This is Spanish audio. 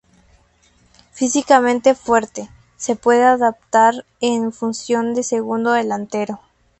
Físicamente fuerte, se puede adaptar en función de segundo delantero.